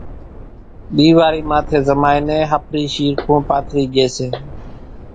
ۮيوارِي ماٿيَ زمائِي نين ۿڦرِي شيرکون پاٿرِي ڄي سي